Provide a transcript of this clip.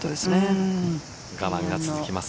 我慢が続きます。